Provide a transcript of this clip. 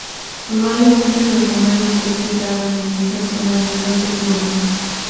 Probablemente los romanos ya explotaron en esta zona minas de plomo.